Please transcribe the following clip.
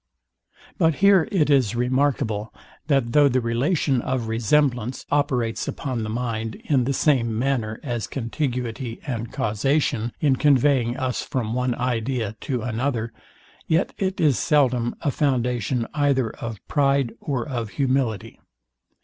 But here it is remarkable, that though the relation of resemblance operates upon the mind in the same manner as contiguity and causation, in conveying us from one idea to another, yet it is seldom a foundation either of pride or of humility.